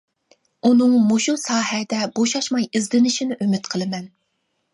ئۇنىڭ مۇشۇ ساھەدە بوشاشماي ئىزدىنىشىنى ئۈمىد قىلىمەن.